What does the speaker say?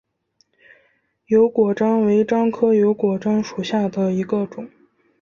油果樟为樟科油果樟属下的一个种。